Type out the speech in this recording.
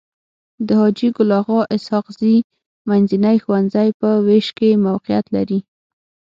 د حاجي ګل اغا اسحق زي منځنی ښوونځی په ويش کي موقعيت لري.